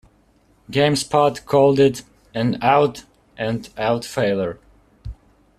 GameSpot called it "an out and out failure".